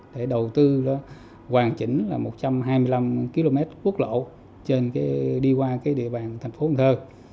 để đầu tư hoàn chỉnh là một trăm hai mươi năm km quốc lộ đi qua địa bàn thành phố cần thơ